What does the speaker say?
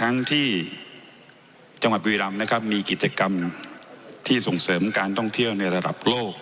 ทั้งที่จังหวัดบุรีรำนะครับมีกิจกรรมที่ส่งเสริมการท่องเที่ยวในระดับโลก